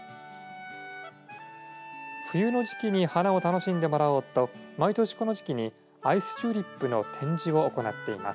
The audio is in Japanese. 冬の時期に花を楽しんでもらおうと毎年、この時期にアイスチューリップの展示を行っています。